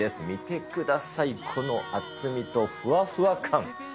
見てください、この厚みとふわふわ感。